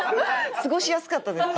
過ごしやすかったですか？